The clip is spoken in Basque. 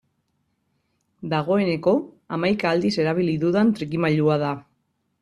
Dagoeneko hamaika aldiz erabili dudan trikimailua da.